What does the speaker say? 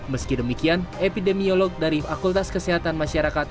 meski demikian epidemiolog dari fakultas kesehatan masyarakat